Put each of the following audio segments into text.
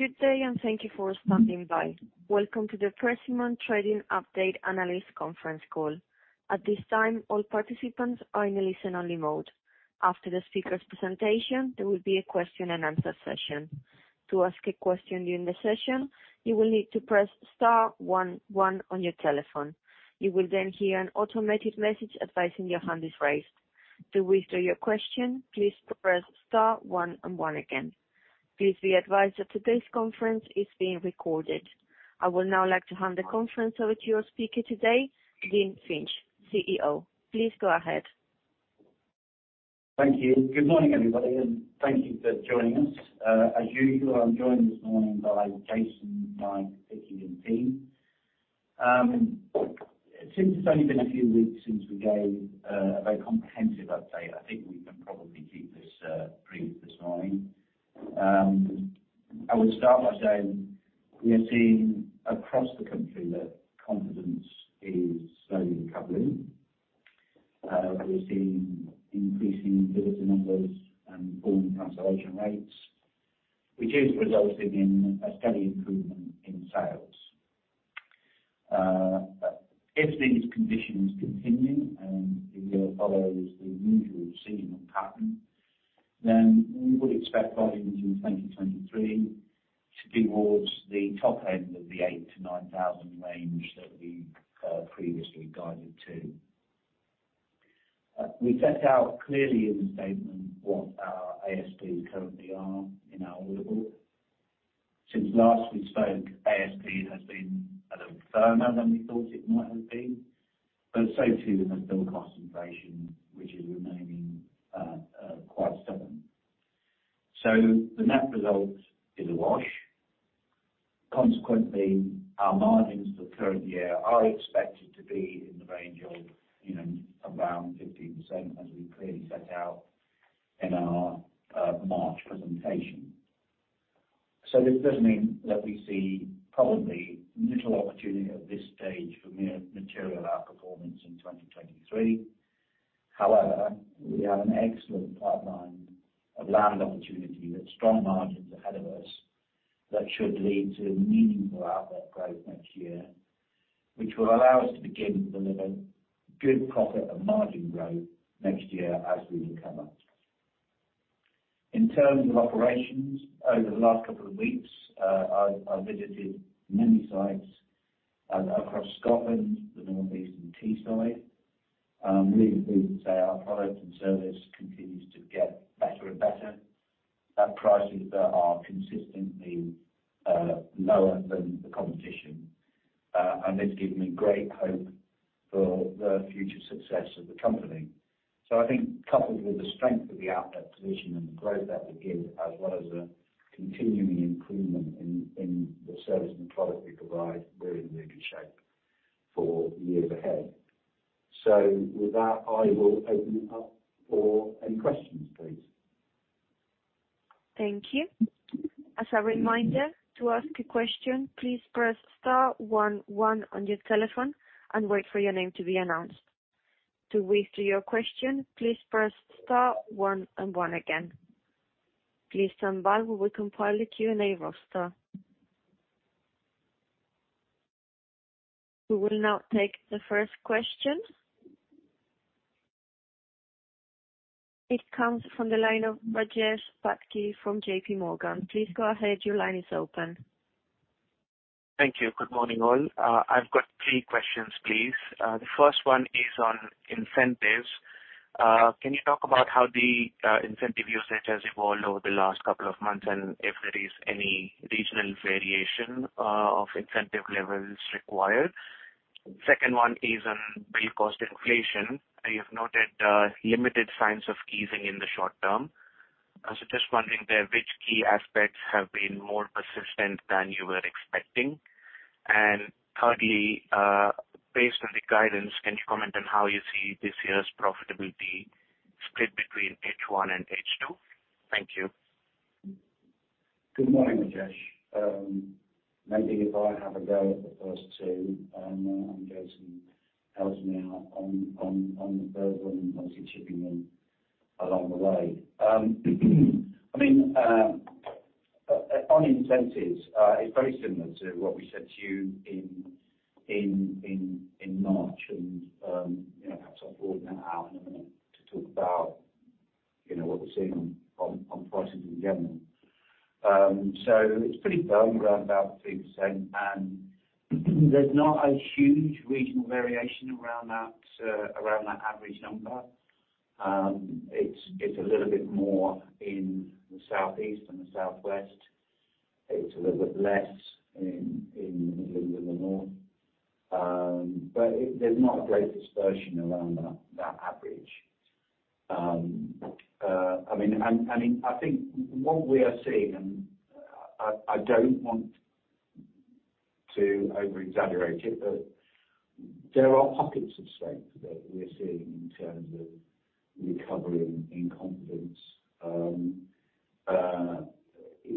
Good day. Thank you for standing by. Welcome to the Persimmon Trading Update Analyst Conference Call. At this time, all participants are in a listen-only mode. After the speaker's presentation, there will be a question-and-answer session. To ask a question during the session, you will need to press * one-one on your telephone. You will then hear an automated message advising your hand is raised. To withdraw your question, please press * one and one again. Please be advised that today's conference is being recorded. I would now like to hand the conference over to your speaker today, Dean Finch, CEO. Please go ahead. Thank you. Good morning, everybody, and thank you for joining us. As usual, I'm joined this morning by Jason, Mike, Vicky, and team. Since it's only been a few weeks since we gave a very comprehensive update, I think we can probably keep this brief this morning. I would start by saying we are seeing across the country that confidence is slowly recovering. We're seeing increasing visitor numbers and growing transaction rates, which is resulting in a steady improvement in sales. If these conditions continue, and if it follows the usual seasonal pattern, we would expect volumes in 2023 to be towards the top end of the 8,000-9,000 range that we previously guided to. We set out clearly in the statement what our ASPs currently are in our order book. Since last we spoke, ASP has been a little firmer than we thought it might have been, but so too has build cost inflation, which is remaining quite stubborn. The net result is a wash. Consequently, our margins for the current year are expected to be in the range of around 15%, as we clearly set out in our March presentation. This does mean that we see probably little opportunity at this stage for material outperformance in 2023. However, we have an excellent pipeline of land opportunity with strong margins ahead of us that should lead to meaningful outlet growth next year, which will allow us to begin delivering good profit and margin growth next year as we recover. In terms of operations, over the last couple of weeks, I've visited many sites across Scotland, the North East, and Teesside. I'm really pleased to say our product and service continues to get better and better. Our prices are consistently lower than the competition, and it's given me great hope for the future success of the company. I think coupled with the strength of the outlet position and the growth that we give, as well as a continuing improvement in the service and product we provide, we're in really good shape for years ahead. With that, I will open it up for any questions, please. Thank you. As a reminder, to ask a question, please press * one one on your telephone and wait for your name to be announced. To withdraw your question, please press * one and one again. Please stand by while we compile a Q&A roster. We will now take the first question. It comes from the line of Rajesh Patki from JP Morgan. Please go ahead. Your line is open. Thank you. Good morning, all. I've got 3 questions, please. The first one is on incentives. Can you talk about how the incentive usage has evolved over the last couple of months, and if there is any regional variation of incentive levels required? Second one is on build cost inflation. You have noted limited signs of easing in the short term. I was just wondering there which key aspects have been more persistent than you were expecting. Thirdly, based on the guidance, can you comment on how you see this year's profitability split between H1 and H2? Thank you. Good morning, Rajesh. maybe if I have a go at the first two, and Jason helps me out on the third one, obviously chipping in along the way. I mean, on incentives, it's very similar to what we said to you in March. You know, perhaps I'll broaden that out in a minute to talk about, you know, what we're seeing on prices in general. It's pretty firmly around about 3%, and there's not a huge regional variation around that average number. It's a little bit more in the South East and the South West. It's a little bit less in the Midlands and the North. There's not a great dispersion around that average. I mean, I think what we are seeing, and I don't want to over-exaggerate it, but there are pockets of strength that we're seeing in terms of recovering in confidence.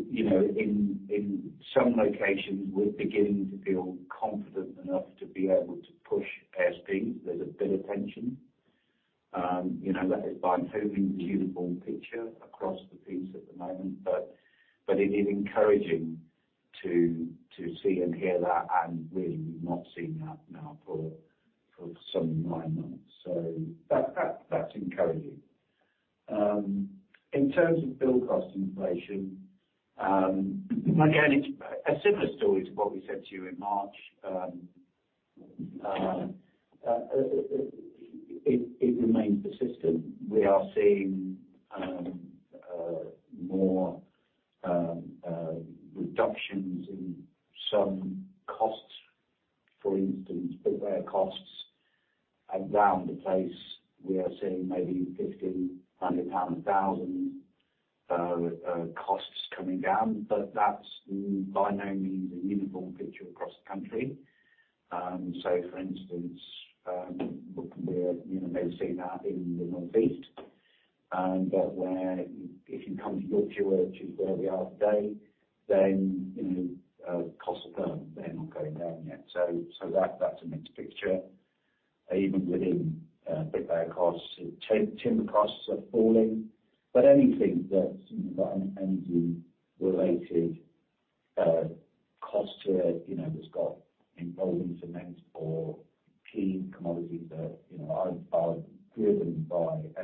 You know, in some locations, we're beginning to feel confident enough to be able to push ASPs. There's a bit of tension. You know, that is by no means a uniform picture across the piece at the moment, but it is encouraging to see and hear that and really not seeing that now for some 9 months. That's encouraging. In terms of build cost inflation, again, it's a similar story to what we said to you in March. It remains persistent. We are seeing more reductions in some costs, for instance, big bear costs around the place. We are seeing maybe 1,500 pounds, 1,000 costs coming down. That's by no means a uniform picture across the country. For instance, we're may have seen that in the Northeast, where if you come to Yorkshire, which is where we are today, costs are firm. They're not going down yet. That's a mixed picture. Even within big bear costs, timber costs are falling. Anything that's got an energy related cost to it, that's got involving cement or key commodities that are driven by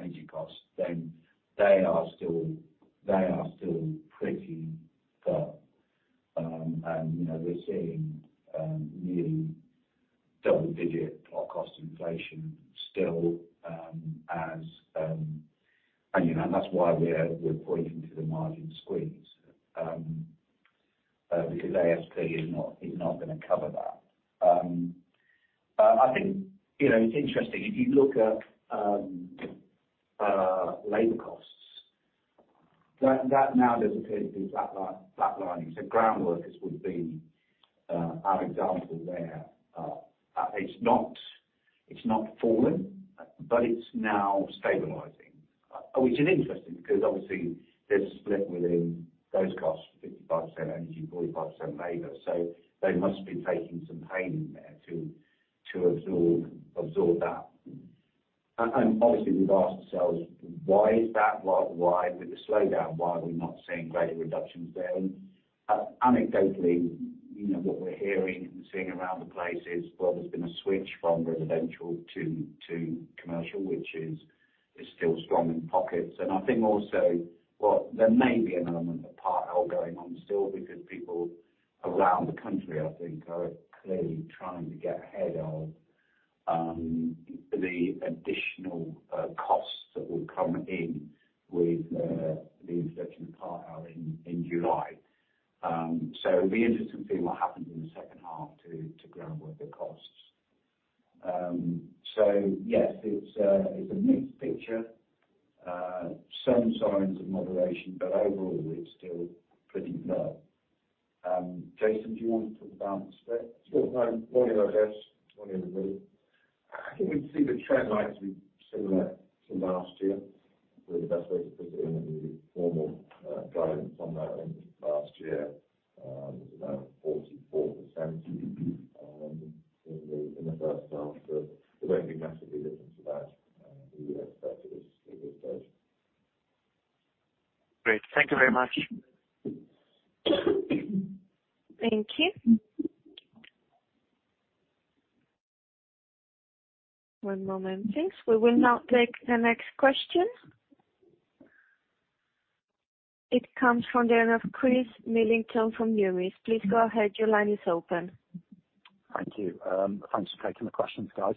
energy costs, they are still pretty flat. You know, we're seeing, nearly double-digit plot cost inflation still, as, you know, that's why we're pointing to the margin squeeze, because ASP is not gonna cover that. I think, you know, it's interesting, if you look at, labor costs, that now there's appears to be a flatline, flatlining. Ground workers would be our example there. It's not fallen, but it's now stabilizing, which is interesting because obviously there's a split within those costs, 55% energy, 45% labor. They must be taking some pain in there to absorb that. Obviously we've asked ourselves why is that? Why with the slowdown, why are we not seeing greater reductions there? Anecdotally, you know, what we're hearing and seeing around the place is, well, there's been a switch from residential to commercial, which is still strong in pockets. I think also what there may be an element of part exchange going on still because people around the country, I think are clearly trying to get ahead of the additional costs that will come in with the introduction of Part L in July. It'll be interesting to see what happens in the second half to groundwork the costs. Yes, it's a, it's a mixed picture. Some signs of moderation, overall it's still pretty low. Jason, do you want to talk about the split? Sure. No, I think we'd see the trend line to be similar to last year, where the best way to put it in the formal guidance on that in last year was about 44% in the first half. It won't be massively different to that. We expect it is good. Great. Thank you very much. Thank you. One moment, please. We will now take the next question. It comes from the end of Chris Millington from Numis. Please go ahead. Your line is open. Thank you. Thanks for taking the questions, guys.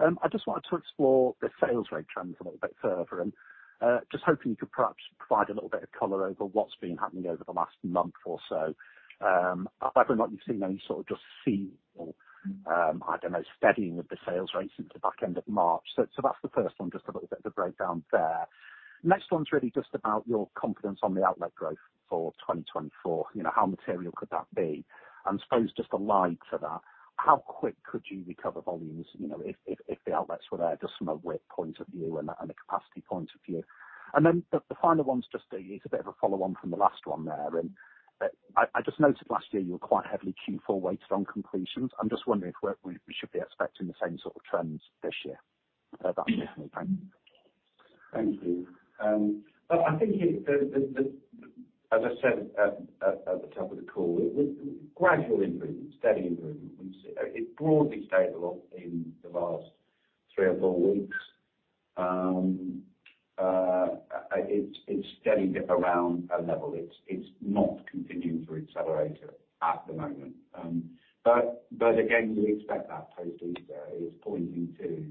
I just wanted to explore the sales rate trends a little bit further and just hoping you could perhaps provide a little bit of color over what's been happening over the last month or so. Whether or not you've seen any sort of just seasonal, I don't know, steadying of the sales rate since the back end of March. That's the first one, just a little bit of breakdown there. Next one's really just about your confidence on the outlet growth for 2024. You know, how material could that be? I suppose just allied to that, how quick could you recover volumes, you know, if the outlets were there just from a width point of view and a capacity point of view. The final one's just is a bit of a follow on from the last one there. I just noticed last year you were quite heavily Q4 weighted on completions. I'm just wondering if we should be expecting the same sort of trends this year. That's it from me. Thank you. Thank you. I think it, as I said at the top of the call, gradual improvement, steady improvement. We see it broadly stable in the last three or four weeks. It's steady around a level. It's not continuing to accelerate at the moment. But again, we expect that post Easter is pointing to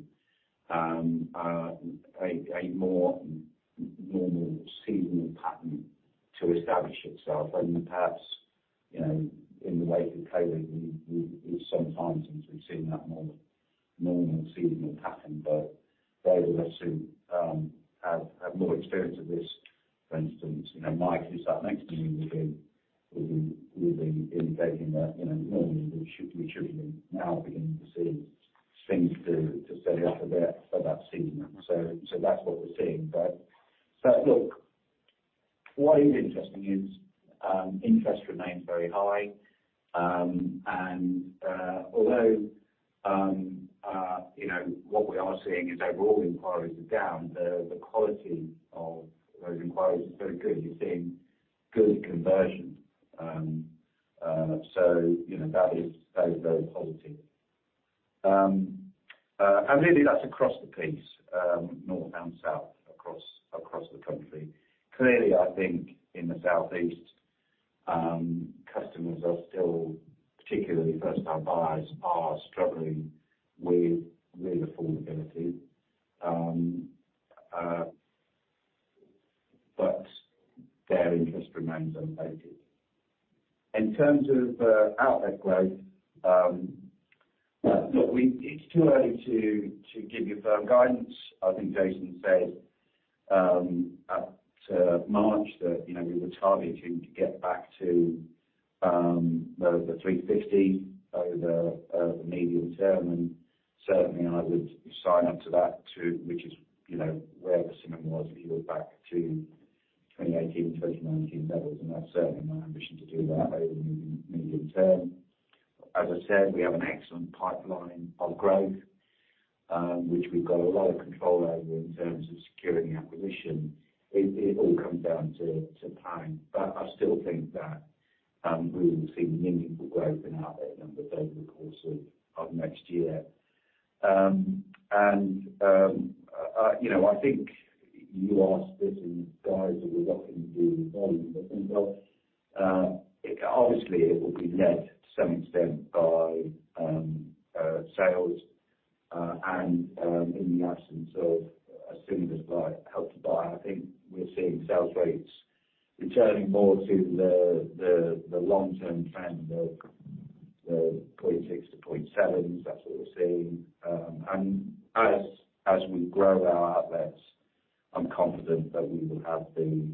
a more normal seasonal pattern to establish itself. Perhaps, you know, in the wake of COVID, we sometimes since we've seen that more normal seasonal pattern. Those of us who have more experience of this, for instance, you know, Mike, who starts next week meeting, we'll be indicating that, you know, normally we should be now beginning to see things to steady up a bit for that season. That's what we're seeing. Look, what is interesting is interest remains very high. Although, you know, what we are seeing is overall inquiries are down, the quality of those inquiries is very good. You're seeing good conversion. You know, that is very positive. Really that's across the piece, north and south across the country. Clearly, I think in the southeast, customers are still, particularly first time buyers, are struggling with affordability. Their interest remains unabated. In terms of outlet growth, look, it's too early to give you firm guidance. I think Jason said, at March that, you know, we were targeting to get back to the 350 over the medium term, and certainly I would sign up to that too, which is, you know, where Persimmon was if you go back to 2018, 2019 levels, and that's certainly my ambition to do that over the medium term. As I said, we have an excellent pipeline of growth, which we've got a lot of control over in terms of securing acquisition. It all comes down to time, but I still think that we will see meaningful growth in outlet number over the course of next year. You know, I think you asked this in guides that we're not going to do volume. I think that, it obviously it will be led to some extent by sales. In the absence of assuming the supply Help to Buy, I think we're seeing sales rates returning more to the long-term trend of 0.6-0.7. That's what we're seeing. As we grow our outlets, I'm confident that we will have the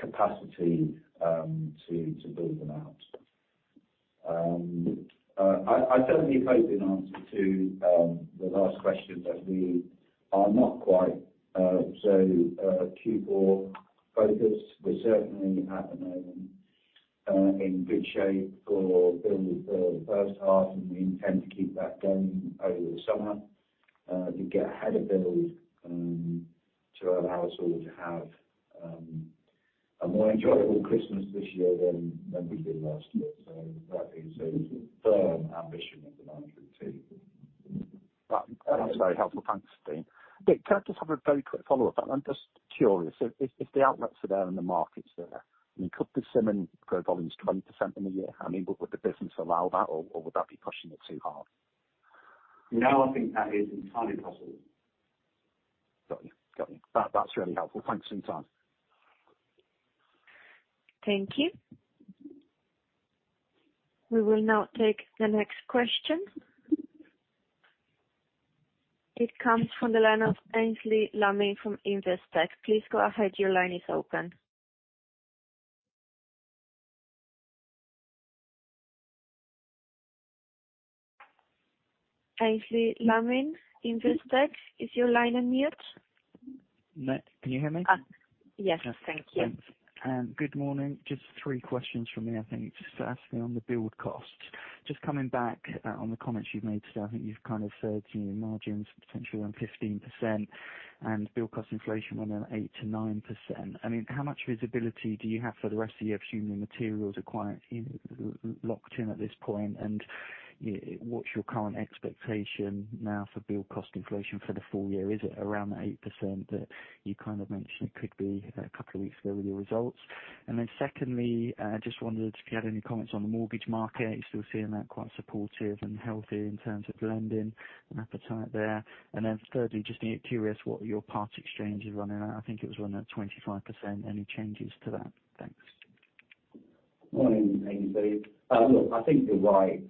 capacity to build them out. I certainly placed an answer to the last question that we are not quite so Q4 focused. We certainly at the moment, in good shape for build for the first half, and we intend to keep that going over the summer, to get ahead of build, to allow us all to have a more enjoyable Christmas this year than we did last year. That is a firm ambition of the management team. That's very helpful. Thanks, Dean. Can I just have a very quick follow up on that? I'm just curious if the outlets are there and the market's there, I mean, could the Persimmon grow volumes 20% in a year? I mean, would the business allow that, or would that be pushing it too hard? No, I think that is entirely possible. Got you. That's really helpful. Thanks for your time. Thank you. We will now take the next question. It comes from the line of Aynsley Lammin from Investec. Please go ahead. Your line is open. Aynsley Lammin, Investec. Is your line on mute? No. Can you hear me? Yes. Thank you. Thanks. Good morning. Just three questions from me, I think. Just firstly on the build costs. Just coming back on the comments you've made today, I think you've kind of said, you know, margins potentially around 15% and build cost inflation around 8%-9%. I mean, how much visibility do you have for the rest of the year, assuming materials are quite locked in at this point? What's your current expectation now for build cost inflation for the full year? Is it around the 8% that you kind of mentioned it could be a couple of weeks ago with your results? Secondly, I just wondered if you had any comments on the mortgage market. Are you still seeing that quite supportive and healthy in terms of lending and appetite there? Thirdly, just curious what your part exchange is running at. I think it was running at 25%. Any changes to that? Thanks. Morning, Aynsley. Look, I think you're right.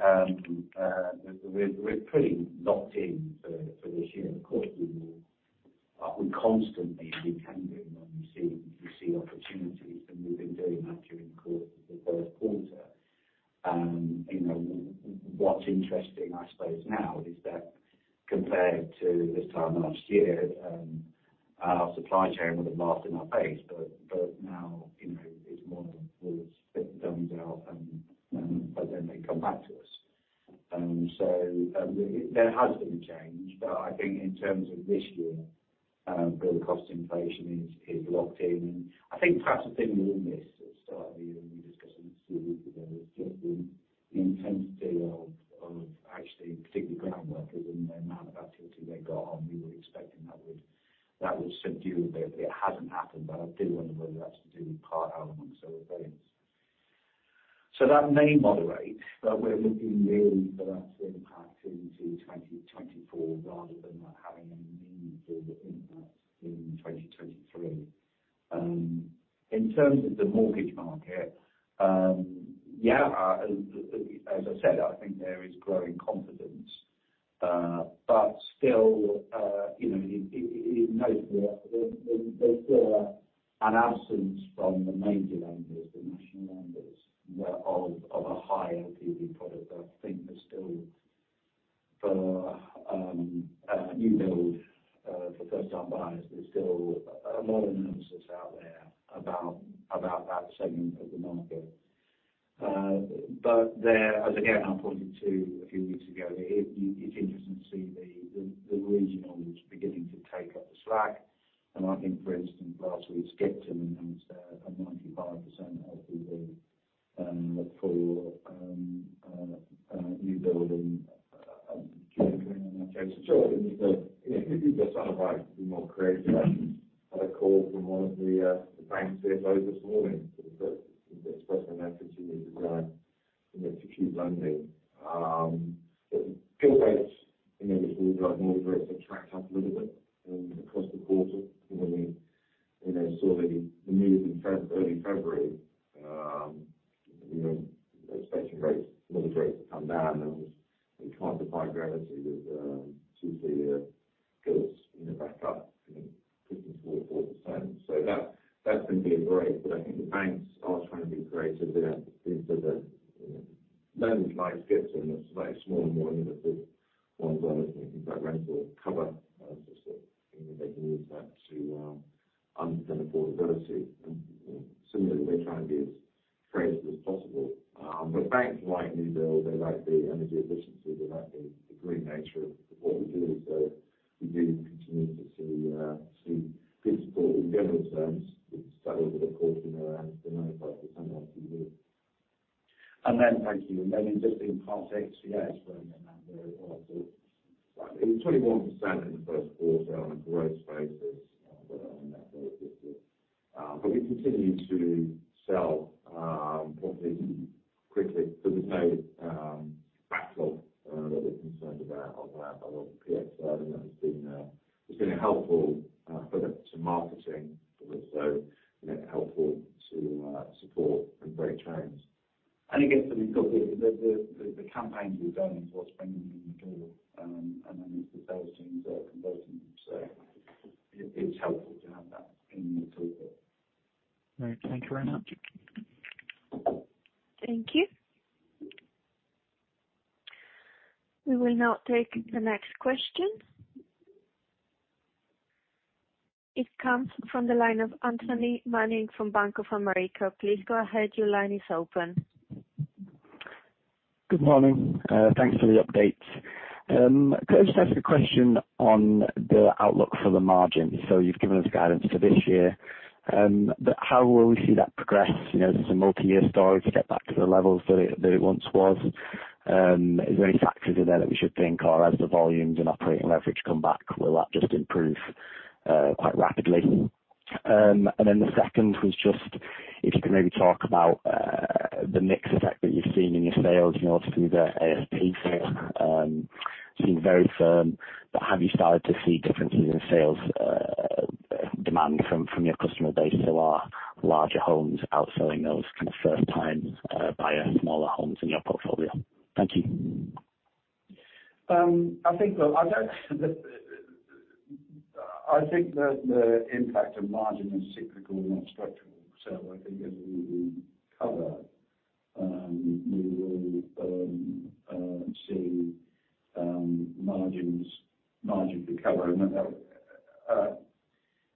We're pretty locked in for this year. Of course we will constantly be canvassing when we see opportunities, and we've been doing that during the course of the first quarter. You know, what's interesting, I suppose now is that compared to this time last year, our supply chain would have laughed in our face. Now, you know, it's more of orders get done well, but then they come back to us. There has been a change. I think in terms of this year, build cost inflation is locked in. I think perhaps the thing we all missed at the start of the year when we discussed this was just the, the intensity of, of actually particularly ground workers and the amount of activity they got on, we were expecting that would, that would subdue a bit, but it hasn't happened. But I do wonder whether that's due in part elements of adherence. So that may moderate, but we're looking really for that to impact into twenty twenty-four rather than that having any meaningful impact in twenty twenty-three. Um, in terms of the mortgage market, um, yeah, uh, as, as I said, I think there is growing confidence. Uh, but still, uh, you know, it, it, it is notable there, there's, there's still a, an absence from the main demand. Of, of a higher PV product. I think there's still for new build for first time buyers, there's still a lot of nervousness out there about that segment of the market. As again, I pointed to a few weeks ago, it's interesting to see the regionals beginning to take up the slack. I think, for instance, last week, Skipton announced a 95% and more individual ones where, you know, you've got rental cover, so, you know, they can use that to underpin affordability. You know, similarly, they're trying to be as creative as possible. Banks like new build, they like the energy efficiency, they like the green nature of what we do. We do continue to see good support in general terms. It's that little bit of caution around, you know, like for some LFL move. Thank you. interesting part, EPS volume and render as well. It was 21% in the first quarter on a gross basis, but on a net basis. We continue to sell properties quickly, so there's no backlog that we're concerned about of that. Although the PX side of that has been a helpful product to marketing, but also, you know, helpful to support in great times. Again, I mean, look, the campaigns we've done towards bringing in the build, and then the sales teams are converting them. It, it's helpful to have that in your toolkit. All right. Thank you very much. Thank you. We will now take the next question. It comes from the line of Anthony Manning from Bank of America. Please go ahead. Your line is open. Good morning. Thanks for the update. Could I just ask a question on the outlook for the margin? You've given us guidance for this year, but how will we see that progress, you know, as a multi-year story to get back to the levels that it once was? Is there any factors in there that we should think, or as the volumes and operating leverage come back, will that just improve quite rapidly? The second was just if you could maybe talk about the mix effect that you've seen in your sales, you know, through the ASP sales, seem very firm, but have you started to see differences in sales demand from your customer base? Are larger homes outselling those kind of first time buyer smaller homes in your portfolio? Thank you. I think, well, I don't... I think that the impact of margin is cyclical, not structural. I think as we recover, we will see margins recover.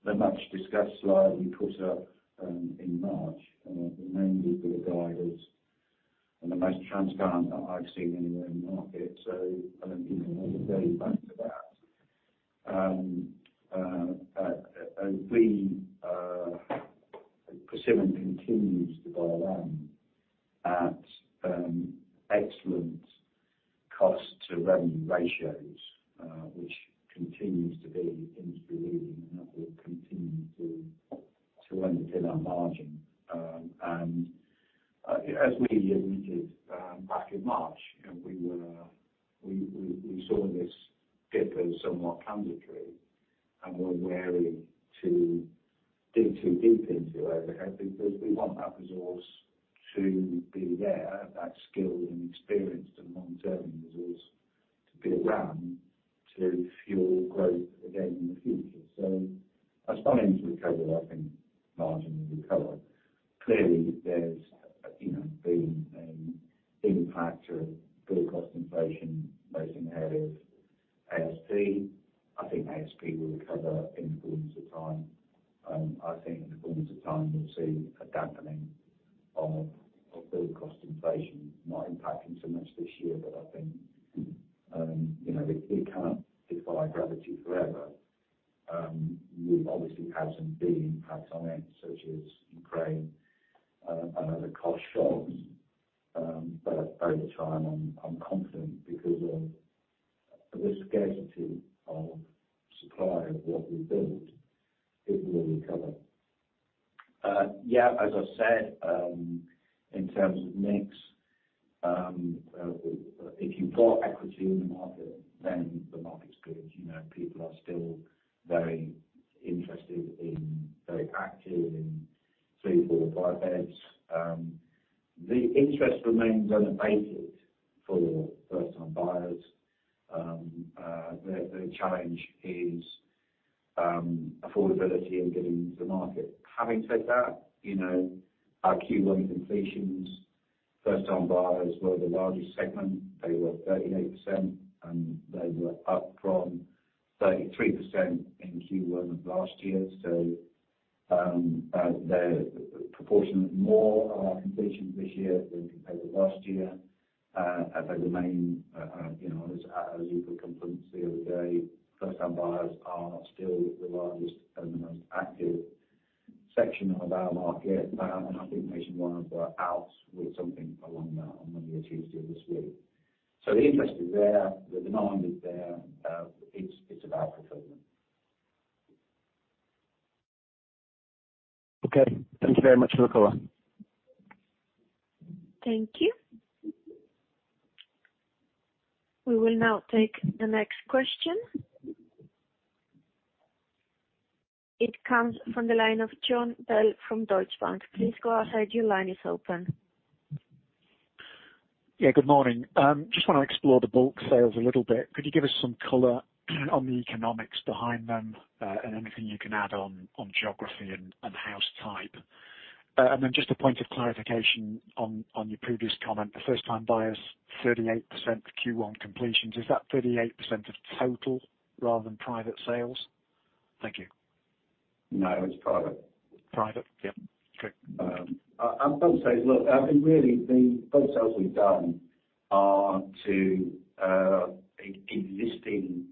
The much discussed slide we put up in March remained good guidance and the most transparent that I've seen anywhere in the market. I don't think we need to go back to that. As we Persimmon continues to go around at excellent cost to revenue ratios, which continues to be industry leading and that will continue to underpin our margin. As we admitted, back in March, you know, we saw this dip as somewhat transitory and we're wary to dig too deep into overhead because we want that resource to be there, that skill section of our market. I think Nationwide were out with something along that on Monday or Tuesday of this week. The interest is there, the demand is there, it's about fulfillment. Okay. Thank you very much for the call. Thank you. We will now take the next question. It comes from the line of Jon Bell from Deutsche Bank. Please go ahead. Your line is open. Good morning. Just wanna explore the bulk sales a little bit. Could you give us some color on the economics behind them, and anything you can add on geography and house type? Just a point of clarification on your previous comment. The first-time buyers, 38% Q1 completions. Is that 38% of total rather than private sales? Thank you. No, it's private. Private? Yeah. Okay. I'd probably say, look, really the bulk sales we've done are to existing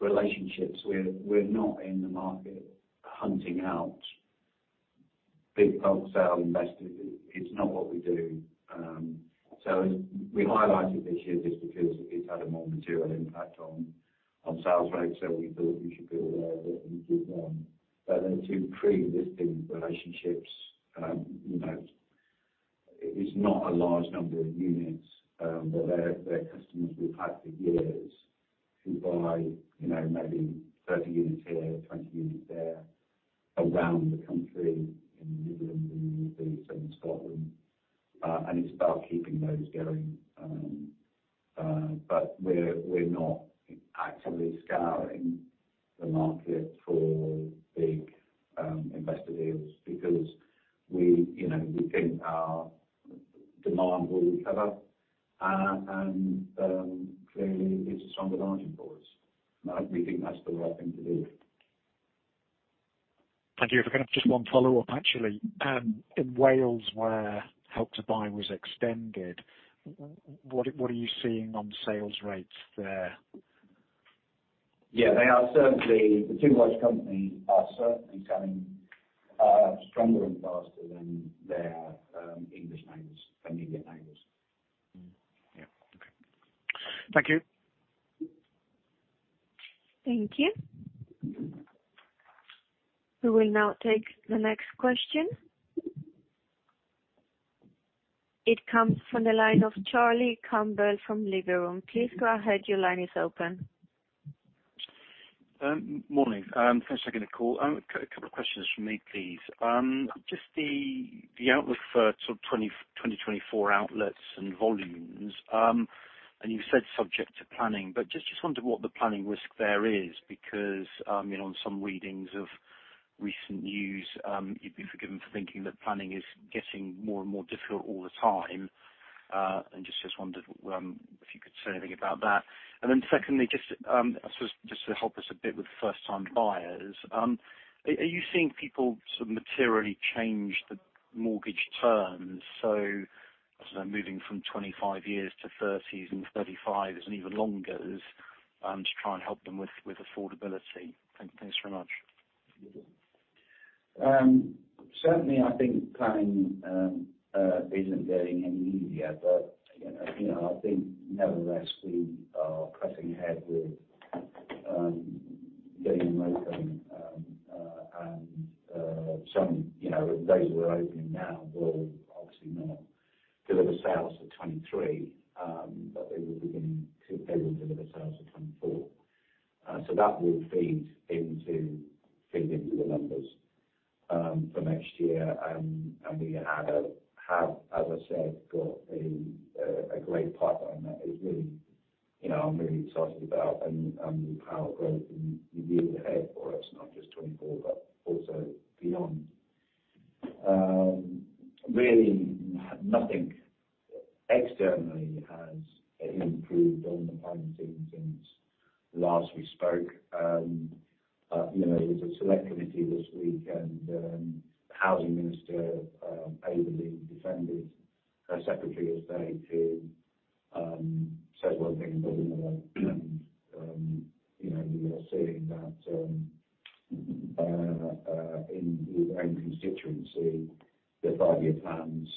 relationships. We're not in the market hunting out big bulk sale investors. It's not what we do. We highlighted this year just because it's had a more material impact on sales rates. We thought we should be aware that we did one. To pre-existing relationships, you know, it's not a large number of units, but they're customers we've had for years who buy, you know, maybe 30 units here, 20 units there around the country, in the Midlands and Scotland. It's about keeping those going. We're not actively scouring the market for big investor deals because we, you know, we think our demand will recover, and clearly it's a stronger margin for us. I really think that's the right thing to do. Thank you. If I could have just one follow-up, actually. In Wales, where Help to Buy was extended, what are you seeing on sales rates there? They are certainly. The two largest companies are certainly selling stronger and faster than their English names and individual names. Yeah. Okay. Thank you. Thank you. We will now take the next question. It comes from the line of Charlie Campbell from Liberum. Please go ahead. Your line is open. Morning. Thanks for taking the call. A couple of questions from me, please. Just the outlook for sort of 2024 outlets and volumes, and you've said subject to planning, but just wondered what the planning risk there is because, you know, on some readings of recent news, you'd be forgiven for thinking that planning is getting more and more difficult all the time. Just wondered if you could say anything about that. Then secondly, just I suppose just to help us a bit with first time buyers, are you seeing people sort of materially change the mortgage terms? I don't know, moving from 25 years to 30s and 35s and even longers, to try and help them with affordability. Thanks very much. Certainly I think planning isn't getting any easier. You know, I think nevertheless we are pressing ahead with getting open. Some, you know, those we're opening now will obviously not deliver sales for 23, but they will deliver sales for 24. That will feed into the numbers for next year. We have, as I said, got a great pipeline that is really, you know, I'm really excited about and the power of growth in the year ahead for us, not just 24, but also beyond. Really nothing externally has improved on the planning team since last we spoke. You know, it was a select committee this week, and the Housing Minister ably defended her Secretary of State who says one thing, but another. You know, we are seeing that in his own constituency, the 5-year plans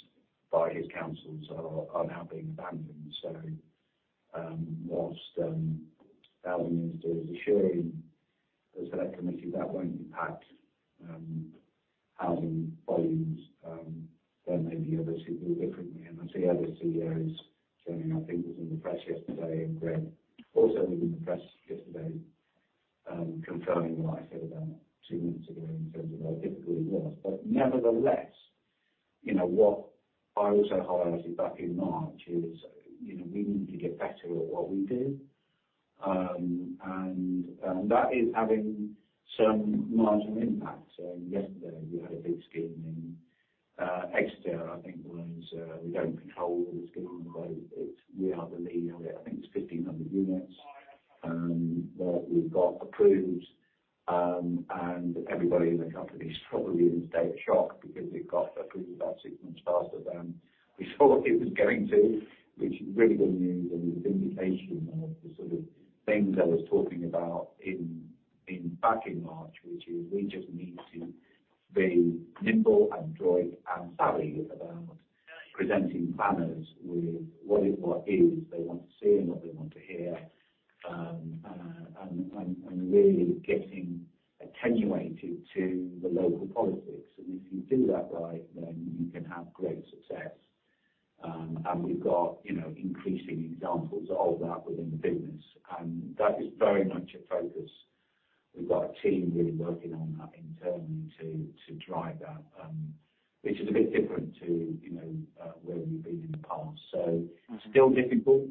by his councils are now being abandoned. Whilst the Housing Minister is assuring the select committee that won't impact housing volumes, there may be others who feel differently. I see other CEOs saying, I think it was in the press yesterday, and Greg also was in the press yesterday, confirming what I said about 2 minutes ago in terms of how difficult it was. Nevertheless, you know what I also highlighted back in March is, you know, we need to get better at what we do. That is having some marginal impact. Yesterday we had a big scheme in Exeter, I think was, we don't control the scheme, but we are the leader. I think it's 1,500 units that we've got approved. Everybody in the company is probably in a state of shock because it got approved about 6 months faster than we thought it was going to, which is really good news and a vindication of the sort of things I was talking about in back in March, which is we just need to be nimble and adroit and savvy about presenting planners with what is they want to see and what they want to hear, and really getting attenuated to the local politics. If you do that right, then you can have great success. We've got, you know, increasing examples of that within the business, and that is very much a focus. We've got a team really working on that internally to drive that, which is a bit different to, you know, where we've been in the past. Still difficult,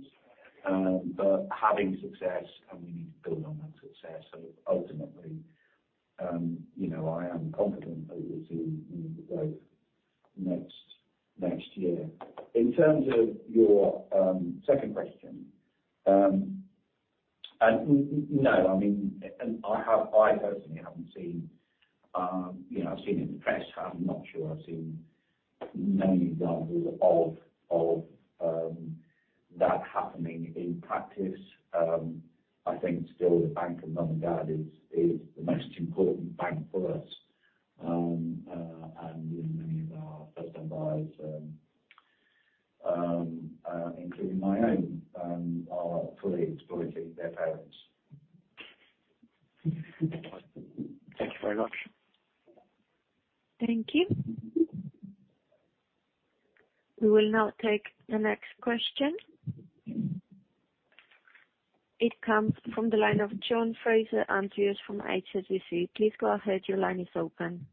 but having success and we need to build on that success. Ultimately, you know, I am confident that you'll see more of the growth next year. In terms of your second question, no, I mean, I personally haven't seen, you know, I've seen it in the press, but I'm not sure I've seen many examples of that happening in practice. I think still the Bank of Mum and Dad is the most important bank for us. You know, many of our first-time buyers, including my own, are fully exploiting their parents. Thank you very much. Thank you. We will now take the next question. It comes from the line of John Fraser-Andrews from HSBC. Please go ahead. Your line is open.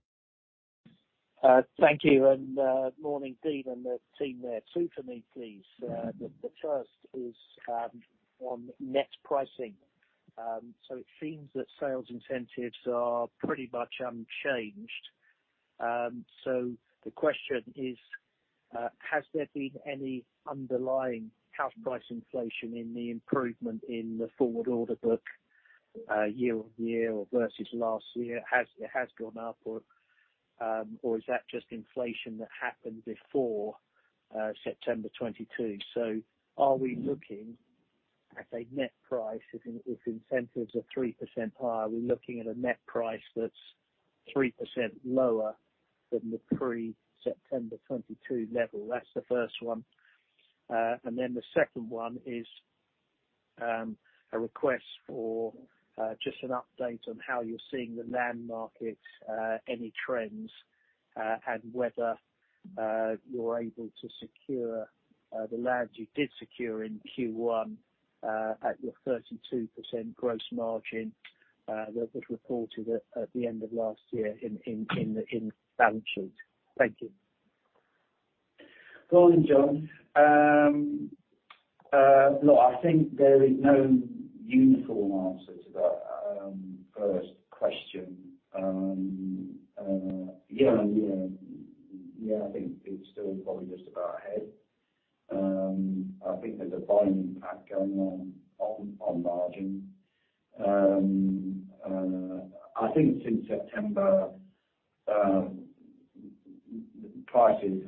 Thank you. Morning, Steve and the team there. Two for me, please. The first is on net pricing. It seems that sales incentives are pretty much unchanged. The question is, has there been any underlying house price inflation in the improvement in the forward order book year-on-year or versus last year? It has gone up or is that just inflation that happened before September 2022? Are we looking at a net price if incentives are 3% higher, are we looking at a net price that's 3% lower than the pre-September 2022 level? That's the first one. s a request for just an update on how you're seeing the land market, any trends, and whether you're able to secure the land you did secure in Q1 at your 32% gross margin that was reported at the end of last year in balance sheet. Thank you. Morning, John. Look, I think there is no uniform answer to that first question. I think it's still probably just about ahead. I think there's a buying impact going on on margin. I think since September, prices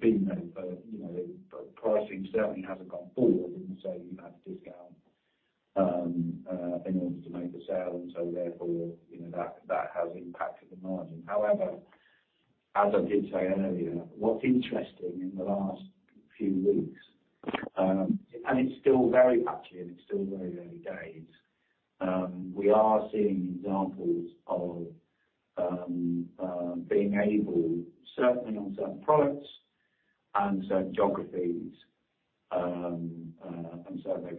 been, you know, pricing certainly hasn't gone forward, you've had to discount in order to make the sale. Therefore, you know, that has impacted the margin. However, as I did say earlier, what's interesting in the last few weeks, it's still very patchy and it's still very early days, we are seeing examples of being able certainly on certain products and certain geographies and certain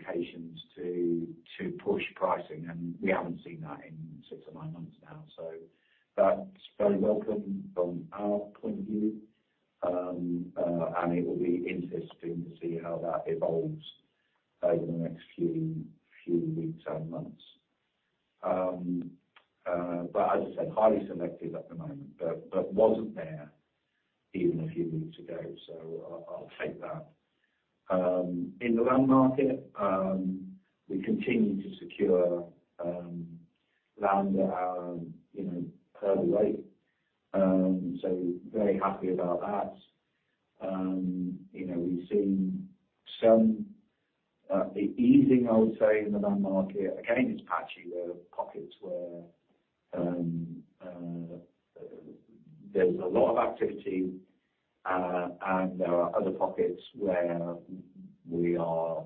locations to push pricing. We haven't seen that in 6-9 months now. That's very welcome from our point of view. It will be interesting to see how that evolves over the next few weeks and months. As I said, highly selective at the moment, but wasn't there even a few weeks ago, I'll take that. In the land market, we continue to secure land at, you know, early rate. Very happy about that. You know, we've seen some easing I would say in the land market. Again, it's patchy where pockets where there's a lot of activity, there are other pockets where we are,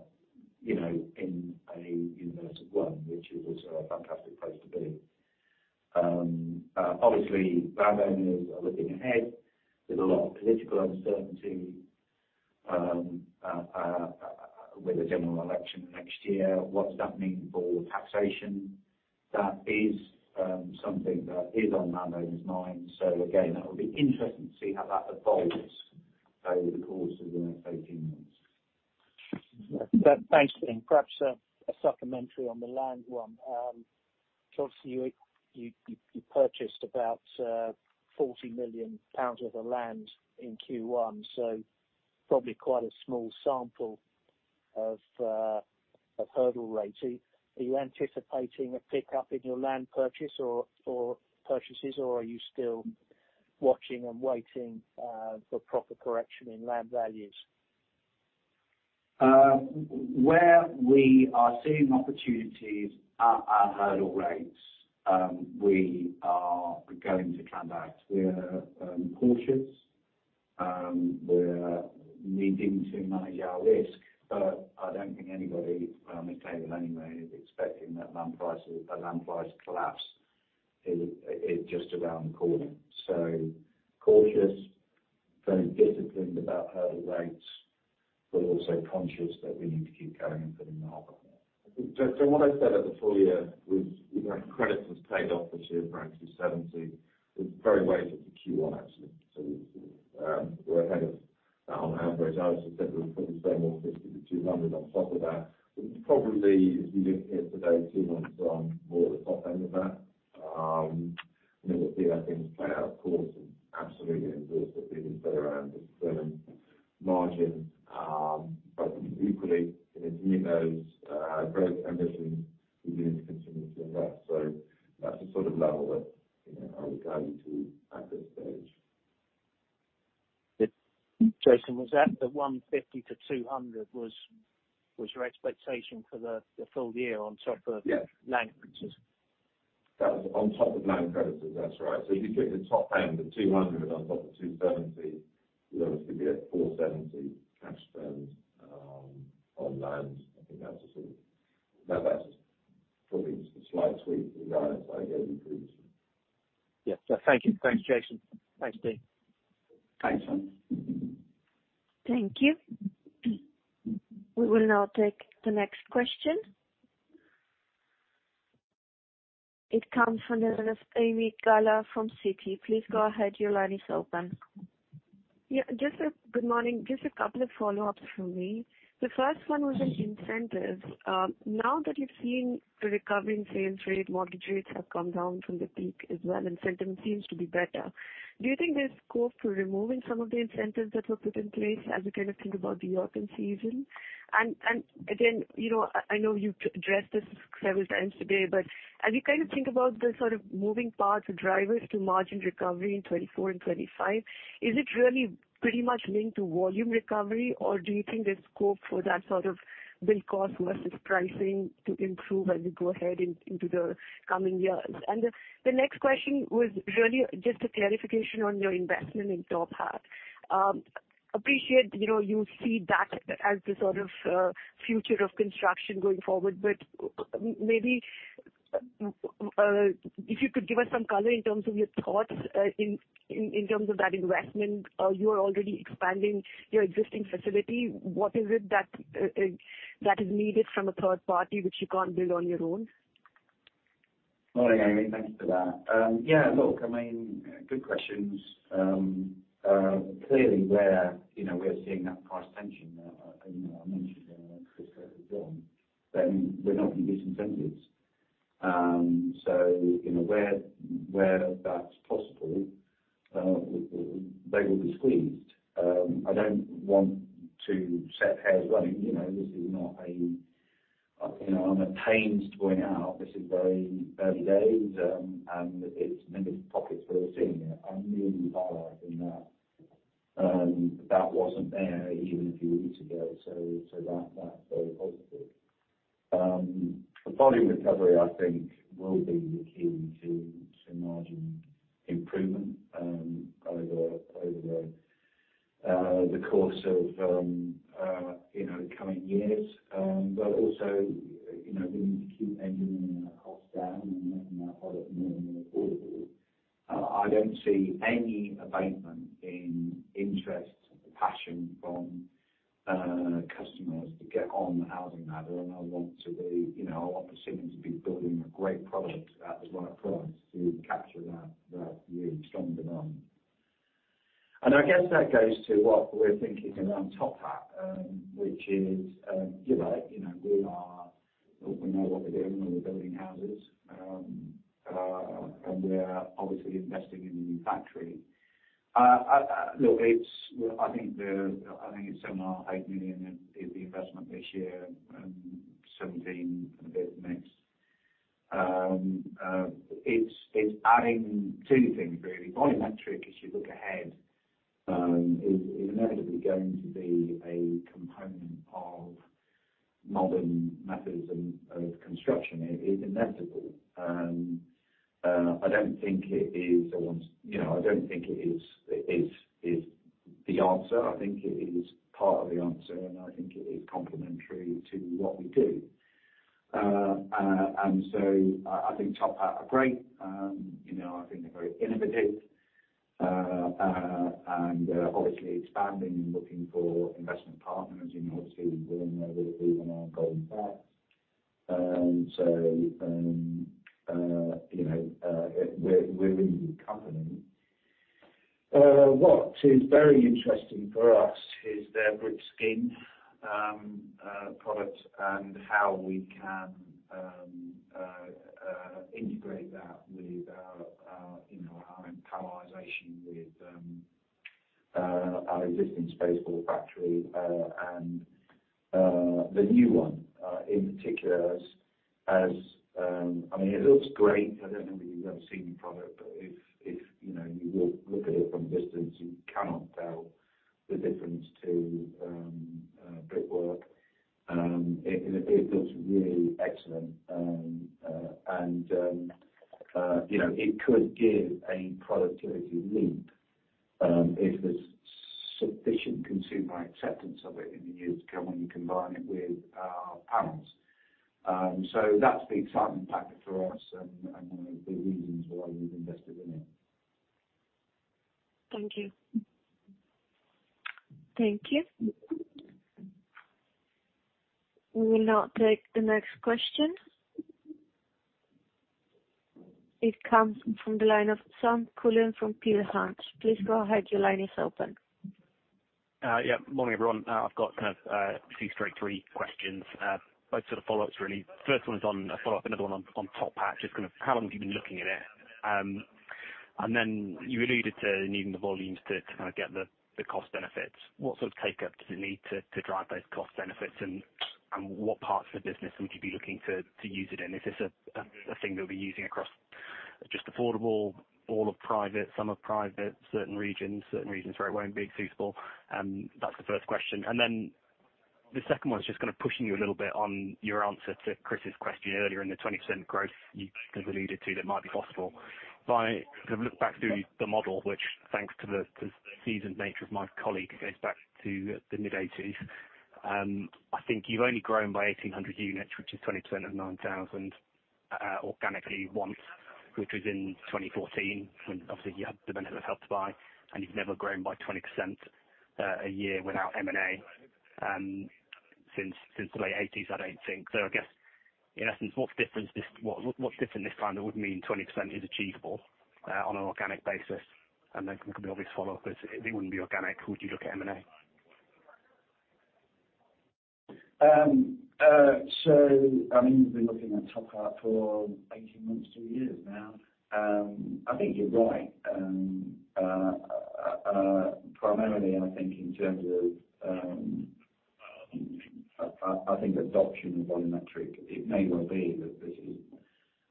you know, in a universe of one, which is a fantastic place to be. Obviously land owners are looking ahead with a lot of political uncertainty. With the general election next year, what does that mean for taxation? That is something that is on landowners' minds. Again, that will be interesting to see how that evolves over the course of the next 18 months. Thanks, Dean. Perhaps a supplementary on the land one. Obviously, you purchased about 40 million pounds worth of land in Q1, so probably quite a small sample of hurdle rates. Are you anticipating a pickup in your land purchase or purchases, or are you still watching and waiting for proper correction in land values? Where we are seeing opportunities at our hurdle rates, we are going to transact. We're cautious, we're needing to manage our risk, but I don't think anybody around the table anyway is expecting that a land price collapse is just around the corner. Cautious, very disciplined about hurdle rates, but also conscious that we need to keep going and putting the harbor there. What I said at the full year was, you know, credit was paid off this year for actually 70. It's very weighted to Q1 actually. We're ahead of that on average. I also said there was probably somewhere more GBP 50 to 200 on top of that. Probably if you look here today, two months on, more at the top end of that. You know, we'll see how things play out, of course, and absolutely endorse that Dean was there around discipline, margin. Equally, you know, as he knows, Greg's ambition, we need to continue to invest. That's the sort of level that, you know, I would guide you to at this stage. Jason, was that the 150-200 was your expectation for the full year on top of land purchases? That was on top of land credits, that's right. If you put the top end of 200 on top of 270, you obviously get 470 cash spend on land. I think that's a sort of that's probably just a slight tweak to the guidance I gave you previously. Yeah. Thank you. Thanks, Jason. Thanks, Dean. Thanks, Simon. Thank you. We will now take the next question. It comes from Ami Galla from Citi. Please go ahead. Your line is open. Yeah, good morning. Just a couple of follow-ups from me. The first one was on incentives. Now that you're seeing the recovery in sales rate, mortgage rates have come down from the peak as well, and sentiment seems to be better. Do you think there's scope for removing some of the incentives that were put in place as we kind of think about the open season? Again, you know, I know you've addressed this several times today, but as you kind of think about the sort of moving parts or drivers to margin recovery in 2024 and 2025, is it really pretty much linked to volume recovery, or do you think there's scope for that sort of bill cost versus pricing to improve as we go ahead into the coming years? The next question was really just a clarification on your investment in TopHat. Appreciate, you know, you see that as the sort of future of construction going forward, but maybe if you could give us some color in terms of your thoughts in terms of that investment. You are already expanding your existing facility. What is it that is needed from a third party which you can't build on your own? Morning, Amy. Thank you for that. Look, I mean, good questions. Clearly where, you know, we're seeing that price tension that, you know, I mentioned earlier on, then we're not going to give incentives. You know where that's possible, they will be squeezed. I don't want to set hairs running. You know, this is not a, you know, I'm at pains to point out this is very early days, and it's limited pockets where we're seeing it. I'm really highlighting that wasn't there even a few weeks ago. That's very positive. The volume recovery, I think, will be the key to margin improvement, over, you know, the course of, you know, the coming years. Also, you know, we need to keep engineering that cost down and making that product more and more affordable. I don't see any abatement in interest and passion from customers to get on the housing ladder. I want to be, you know, I want Persimmon to be building a great product at the right price to capture that really strong demand. I guess that goes to what we're thinking around TopHat. You know, we know what we're doing when we're building houses. We're obviously investing in the new factory. It's 7 million or 8 million is the investment this year and GBP 17 a bit next. It's adding two things really. Volumetric, as you look ahead, is inevitably going to be a component of modern methods of construction. It is inevitable. I don't think it is, you know, I don't think it is the answer. I think it is part of the answer, and I think it is complementary to what we do. I think TopHat are great. you know, I think they're very innovative. They're obviously expanding and looking for investment partners, you know, to Will be on our golden path. you know, we're with the company. What is very interesting for us is their brick skin product and how we can integrate that with, you know, our panelization with our existing Space4 factory and the new one in particular as. I mean, it looks great. I don't know whether you've ever seen the product, but if, you know, you look at it from a distance, you cannot tell the difference to brickwork. It looks really excellent. You know, it could give a productivity leap if there's sufficient consumer acceptance of it in the years to come when you combine it with our panels. That's the exciting factor for us and one of the reasons why we've invested in it. Thank you. We will now take the next question. It comes from the line of Sam Cullen from Peel Hunt. Please go ahead. Your line is open. Yeah, morning, everyone. I've got kind of, two straight three questions. Both sort of follow-ups, really. First one is on a follow-up, another one on TopHat. How long have you been looking at it? Then you alluded to needing the volumes to kind of get the cost benefits. What sort of take-up does it need to drive those cost benefits? And what parts of the business would you be looking to use it in? Is this a thing they'll be using across just affordable, all of private, some of private, certain regions, certain regions where it won't be suitable? That's the first question. The second one is pushing you a little bit on your answer to Chris's question earlier in the 20% growth you alluded to that might be possible. If I look back through the model, which thanks to the seasoned nature of my colleague, goes back to the mid-1980s. I think you've only grown by 1,800 units, which is 20% of 9,000 organically once, which was in 2014 when obviously you had the benefit of Help to Buy, and you've never grown by 20% a year without M&A since the late 1980s, I don't think. In essence, what's different this time that would mean 20% is achievable on an organic basis? The obvious follow-up is if it wouldn't be organic, would you look at M&A? I mean, we've been looking at TopHat for 18 months, two years now. I think you're right. Primarily, I think in terms of, I think adoption and volumetric, it may well be that this is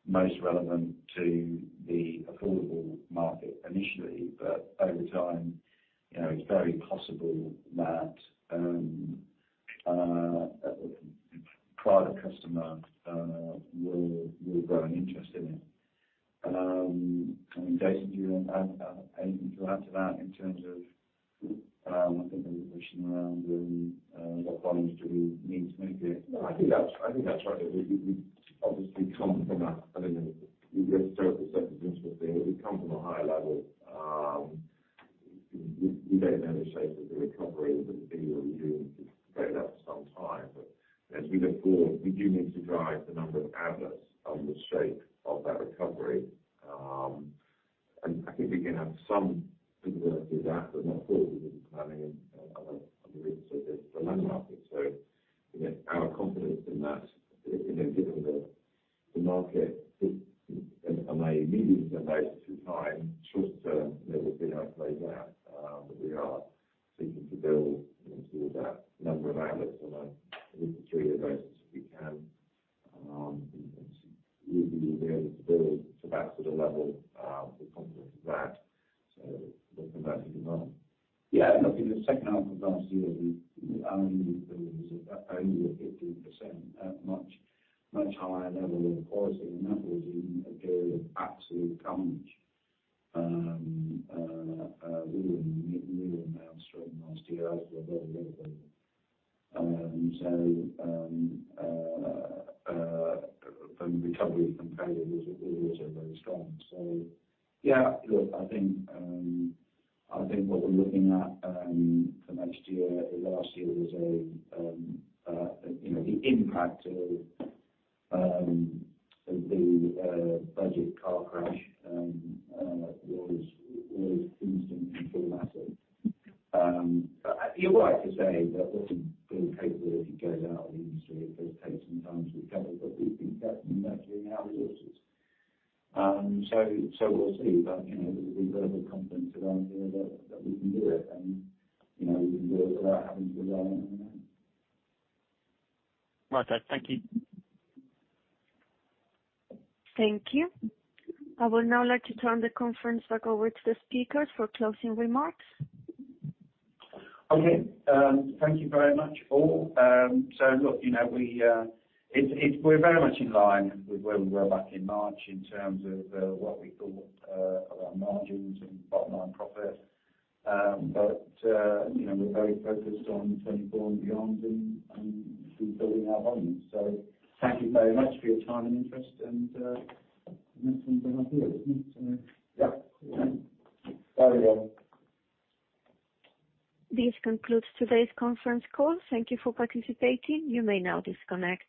most relevant to the affordable market initially, but over time, you know, it's very possible that private customer will grow an interest in it. I mean, Jason, do you want to add anything to add to that in terms of, I think there was a question around what volumes do we need to make it? No, I think that's right. We've obviously come from a I don't know, we've got a certain principle thing. We've come from a high level. We don't know the shape of the recovery, but we assume it's been like that for some time. As we look forward, we do need to drive the number of outlets and the shape of that recovery. I think we can have some visibility of that, but not all of it, planning and other bits of it, the land market. You know, our confidence in that, you know, given the market is. I immediately say those two times short term that we've been able to lay it out, that we are seeking to build into that number of outlets and increase the trade of those as we can. We believe we'll be able to build to that sort of level with confidence in that. Looking at it as well. Yeah, look, in the second half of last year, we only delivered at 15% at much, much higher level of quality, and that was in a period of absolute carnage. We were in the downstream last year as were very little. From recovery from trade, it was also very strong. Yeah, look, I think, I think what we're looking at for next year, last year was a, you know, the impact of the budget car crash was instant and dramatic. You're right to say that often good capability goes out of the industry. It does take some time to recover, but we've been investing in our resources. We'll see. You know, we've got every confidence around here that we can do it and, you know, we can do it without having to rely on M&A. Right. Thank you. Thank you. I would now like to turn the conference back over to the speakers for closing remarks. Okay. Thank you very much, all. Look, you know, we're very much in line with where we were back in March in terms of what we thought of our margins and bottom line profit. You know, we're very focused on 2024 and beyond and keep building our volumes. Thank you very much for your time and interest. Yeah. Bye, everyone. This concludes today's conference call. Thank you for participating. You may now disconnect.